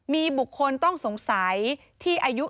มีบุคคลต้องสงสัยที่อายุ